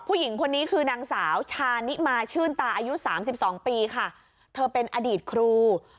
ผู้หญิงคนนี้คือนางสาวชานิมาชื่นตาอายุสามสิบสองปีค่ะเธอเป็นอดีตครู